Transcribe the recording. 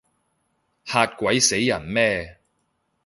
嚇鬼死人咩？